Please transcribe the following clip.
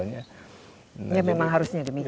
ya memang harusnya demikian